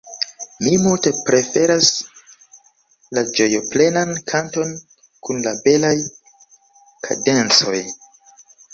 Mi multe preferas la ĝojoplenan kanton kun la belaj kadencoj.